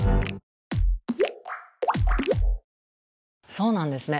そうなんですね。